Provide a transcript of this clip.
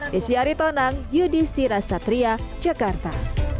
kira satria jakarta